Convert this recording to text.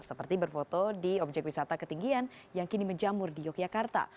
seperti berfoto di objek wisata ketinggian yang kini menjamur di yogyakarta